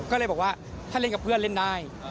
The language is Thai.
ก็เลยบอกว่าถ้าเล่นกับเพื่อนเล่นได้